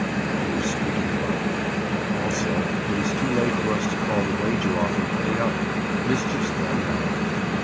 "No use speaking about that. Also, it is too late for us to call the wager off and pay up. Mischief's done now."